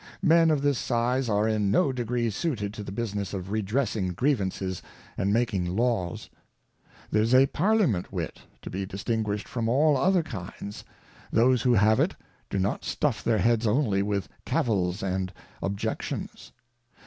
Men of this Size are in no degree suited to the business of redressing Grievances, and making Laws. There Members in Parliament. 149 There is a Parliament Wit to be distinguish'd from all other kinds ; those who have it, do not stuff their heads only with Cavils and Objections.